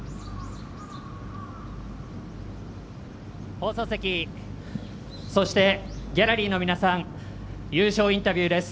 放送席、そしてギャラリーの皆さん優勝インタビューです。